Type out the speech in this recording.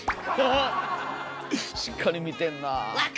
しっかり見てんなあ。